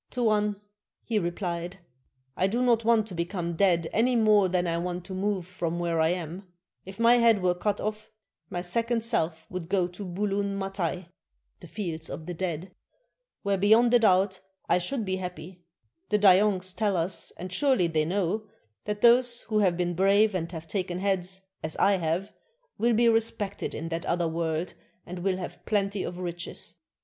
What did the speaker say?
"Tuan," he repHed, "I do not want to become dead any more than I want to move from where I am ; if my head were cut off, my second self would go to Bulun Matai [the "Fields of the Dead"], where beyond a doubt I should be happy; the Dayongs tell us, and surely they know, that those who have been brave and have taken heads, as I have, will be respected in that other world and will have plenty of riches.